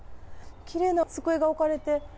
きれいな机が置かれて。